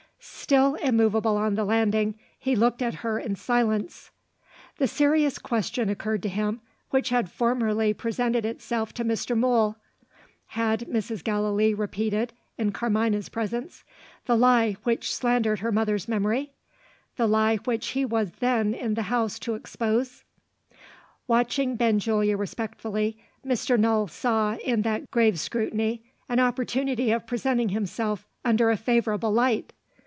Still immovable on the landing, he looked at her in silence. The serious question occurred to him which had formerly presented itself to Mr. Mool. Had Mrs. Gallilee repeated, in Carmina's presence, the lie which slandered her mother's memory the lie which he was then in the house to expose? Watching Benjulia respectfully, Mr. Null saw, in that grave scrutiny, an opportunity of presenting himself under a favourable light.